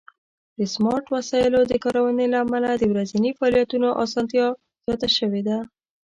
د سمارټ وسایلو د کارونې له امله د ورځني فعالیتونو آسانتیا زیاته شوې ده.